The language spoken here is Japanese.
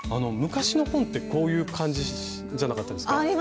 昔の本ってこういう感じじゃなかったですか？